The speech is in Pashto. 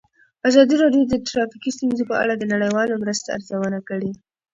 ازادي راډیو د ټرافیکي ستونزې په اړه د نړیوالو مرستو ارزونه کړې.